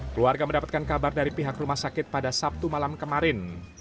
keluarga mendapatkan kabar dari pihak rumah sakit pada sabtu malam kemarin